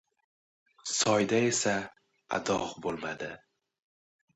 Soyda esa, adog‘ bo‘lmadi...